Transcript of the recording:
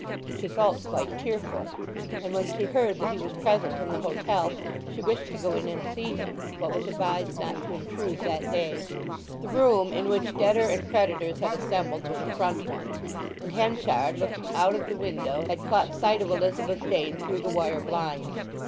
She felt quite tearful, and when she heard that he was present in the hotel she wished to go in and see him, but was advised not to intrude that day. The room in which debtor and creditors had assembled was a front one, and Henchard, looking out of the window, had caught sight of Elizabeth Jane through the wire blind.